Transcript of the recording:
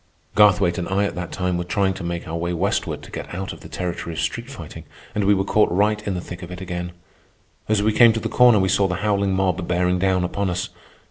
Garthwaite and I at that time were trying to make our way westward to get out of the territory of street fighting, and we were caught right in the thick of it again. As we came to the corner we saw the howling mob bearing down upon us.